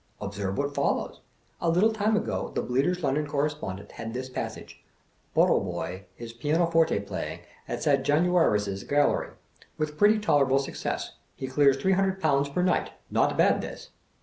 Observe what follows. A little time ago the Bleater's London Correspondent had this passage: "Boddleboy is pianoforte playing at St. Janua rius' Gallery, with pretty tolerable success! He clears three hundred pounds per night. Not bad this!!"